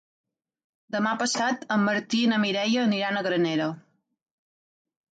Demà passat en Martí i na Mireia aniran a Granera.